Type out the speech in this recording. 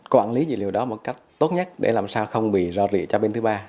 quản lý dữ liệu đó một cách tốt nhất để làm sao không bị rò rỉa cho bên thứ ba